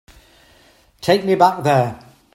Take me back there.